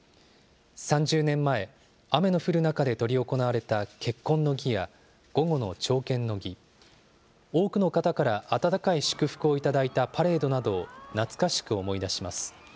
３０年前、雨の降る中で執り行われた結婚の儀や、午後の朝見の儀、多くの方から温かい祝福を頂いたパレードなどを懐かしく思い出します。